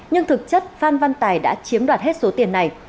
nhưng thực chất phan văn tài đã chiếm đoạt hết số tiền này